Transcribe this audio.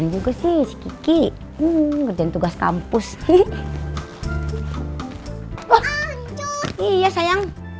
nanti aku kasih tau kamu juga sanya